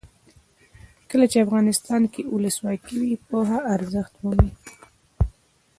کله چې افغانستان کې ولسواکي وي پوهه ارزښت مومي.